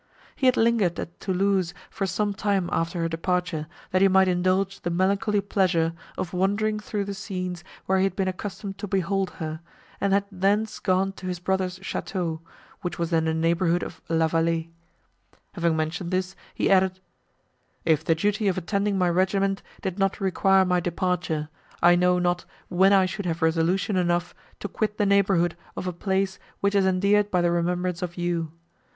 He had lingered at Thoulouse for some time after her departure, that he might indulge the melancholy pleasure of wandering through the scenes where he had been accustomed to behold her, and had thence gone to his brother's château, which was in the neighbourhood of La Vallée. Having mentioned this, he added, "If the duty of attending my regiment did not require my departure, I know not when I should have resolution enough to quit the neighbourhood of a place which is endeared by the remembrance of you.